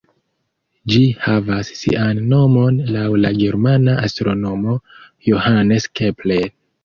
Ĝi havas sian nomon laŭ la germana astronomo Johannes Kepler.